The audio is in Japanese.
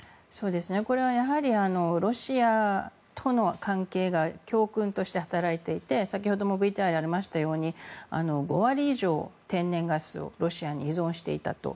これはやはりロシアとの関係が教訓として働いていて先ほどもＶＴＲにありましたように５割以上、天然ガスをロシアに依存していたと。